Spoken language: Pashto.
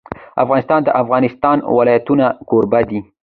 افغانستان د د افغانستان ولايتونه کوربه دی.